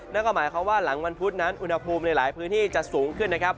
นั่นก็หมายความว่าหลังวันพุธนั้นอุณหภูมิในหลายพื้นที่จะสูงขึ้นนะครับ